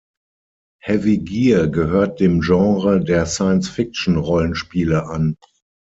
Heavy Gear gehört dem Genre der Science-Fiction-Rollenspiele an.